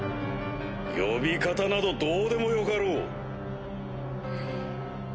呼び方などどうでもよかろう。